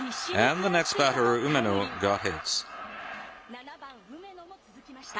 ７番梅野も続きました。